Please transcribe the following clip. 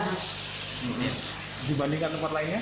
dibandingkan tempat lainnya